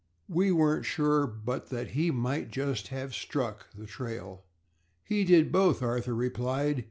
We weren't sure but that he might just have struck the trail." "He did both," Arthur replied.